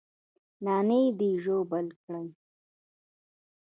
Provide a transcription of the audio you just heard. نانى دې ژوبل کړى.